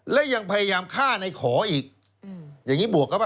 และยังพยายามฆ่าในขออีกอย่างนี้บวกเข้าไป